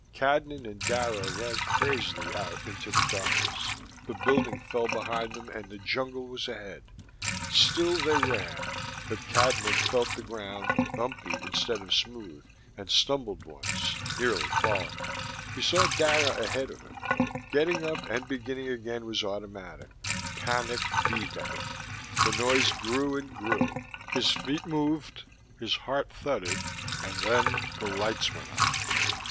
Cadnan and Dara ran crazily out into the darkness. The building fell behind them and the jungle was ahead: still they ran, but Cadnan felt the ground, bumpy instead of smooth, and stumbled once, nearly falling. He saw Dara ahead of him. Getting up and beginning again was automatic: panic beat at him. The noise grew and grew. His feet moved, his heart thudded.... And then the lights went on.